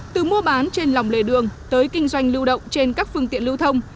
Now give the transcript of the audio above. từ mua bán trên lòng lề đường tới kinh doanh lưu động trên các phương tiện lưu thông